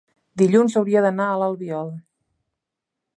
dilluns hauria d'anar a l'Albiol.